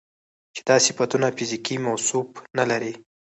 چې دا صفتونه فزيکي موصوف نه لري